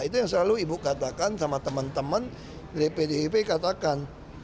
itu yang selalu ibu katakan sama teman teman dari pdip katakan